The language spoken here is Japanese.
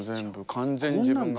完全に自分が。